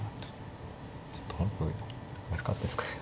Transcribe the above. ちょっと本譜まずかったですかね。